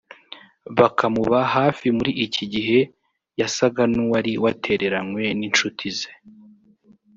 bakamuba hafi muri iki gihe yasaga n’uwari watereranywe n’inshuti ze